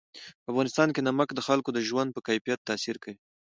په افغانستان کې نمک د خلکو د ژوند په کیفیت تاثیر کوي.